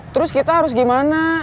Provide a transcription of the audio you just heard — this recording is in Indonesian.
terus kita harus gimana